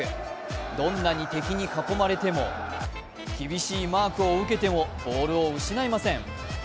どんなに敵に囲まれても厳しいマークを受けてもボールを失いません。